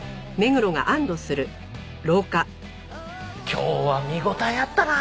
今日は見応えあったなあ。